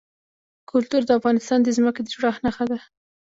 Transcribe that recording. کلتور د افغانستان د ځمکې د جوړښت نښه ده.